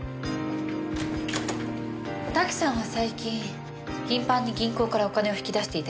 瀧さんは最近頻繁に銀行からお金を引き出していたようです。